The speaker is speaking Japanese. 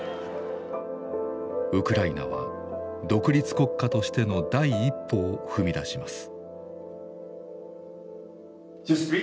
ウクライナは独立国家としての第一歩を踏み出します。